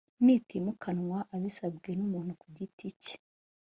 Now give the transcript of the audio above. n itimukanwa abisabwe n umuntu ku giti cye